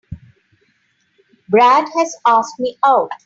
Brad has asked me out.